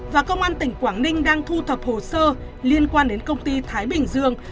và công an tỉnh quảng ninh đang thu thập hồ sơ liên quan đến công ty thái bình dương